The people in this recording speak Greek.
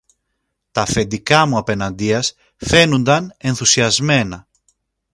Τ' αφεντικά μου απεναντίας φαίνουνταν ενθουσιασμένα.